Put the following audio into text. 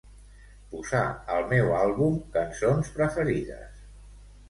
Posar el meu àlbum cançons preferides.